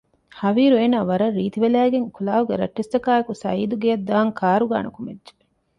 ހަވީރު އޭނާ ވަރަށް ރީތިވެލައިގެން ކުލާހުގެ ރައްޓެއްސަކާއެކު ސަޢީދު ގެއަށް ދާން ކާރުގައި ނުކުމެއްޖެ